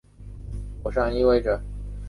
火山带意指存在大量火山活动的大型区域。